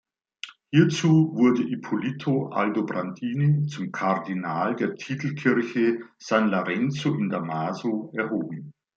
Hierzu wurde Ippolito Aldobrandini zum Kardinal der Titelkirche San Lorenzo in Damaso erhoben.